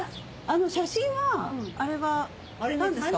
写真はあれ何ですか？